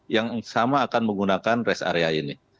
yang sama akan menggunakan rest area ini